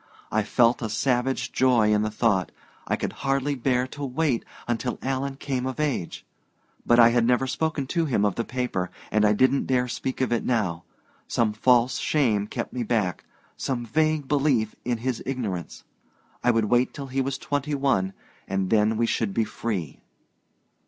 I felt a savage joy in the thought I could hardly bear to wait till Alan came of age. But I had never spoken to him of the paper, and I didn't dare speak of it now. Some false shame kept me back, some vague belief in his ignorance. I would wait till he was twenty one, and then we should be free.